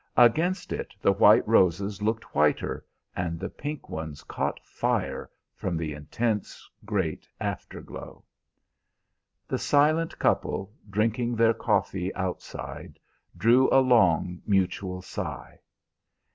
Against it the white roses looked whiter, and the pink ones caught fire from the intense, great afterglow. The silent couple, drinking their coffee outside, drew a long mutual sigh.